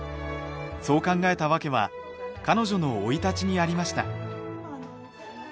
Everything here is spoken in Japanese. そう考えた訳は彼女の生い立ちにありました。